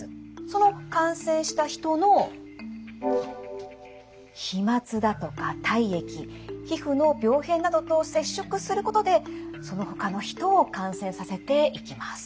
その感染したヒトの飛沫だとか体液皮膚の病変などと接触することでそのほかのヒトを感染させていきます。